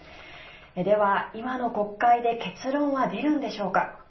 では、今の国会で結論は出るのでしょうか。